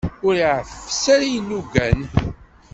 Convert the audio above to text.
Ur ɛeffes ara ilugan.